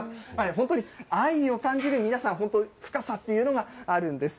本当に愛を感じる、皆さん、本当、深さというのがあるんです。